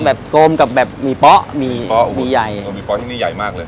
แบบโกมกับแบบมีป๊อมีใหญ่มีป๊อที่นี่ใหญ่มากเลย